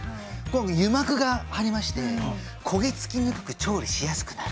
油膜が張りまして焦げ付きにくく調理しやすくなる。